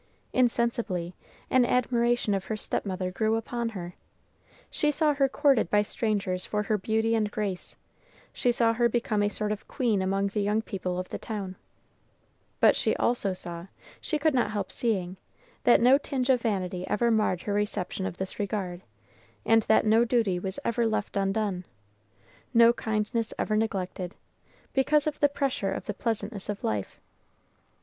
Insensibly, an admiration of her stepmother grew upon her. She saw her courted by strangers for her beauty and grace; she saw her become a sort of queen among the young people of the town; but she also saw she could not help seeing that no tinge of vanity ever marred her reception of this regard, and that no duty was ever left undone, no kindness ever neglected, because of the pressure of the pleasantness of life.